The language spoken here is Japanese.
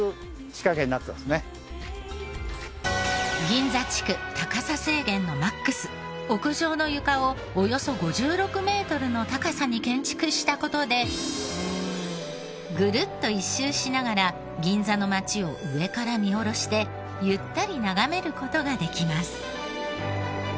銀座地区高さ制限のマックス屋上の床をおよそ５６メートルの高さに建築した事でぐるっと一周しながら銀座の街を上から見下ろしてゆったり眺める事ができます。